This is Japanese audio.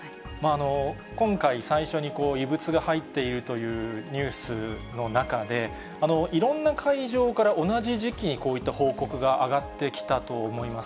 今回最初に異物が入っているというニュースの中で、いろんな会場から同じ時期にこういった報告が上がってきたと思います。